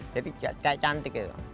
jadi cacat cantik itu